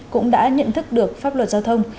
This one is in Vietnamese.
cũng đã nhận thức được pháp luật giao thông